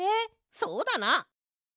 そうだな。